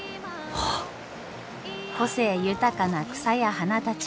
個性豊かな草や花たち。